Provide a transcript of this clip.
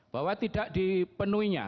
bahwa tidak dipenuhinya